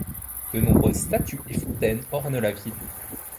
De nombreuses statues et fontaines ornent la ville.